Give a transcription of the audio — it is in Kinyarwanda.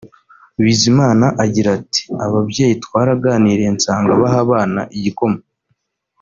Bizimana agira ati “Ababyeyi twaraganiriye nsanga baha abana igikoma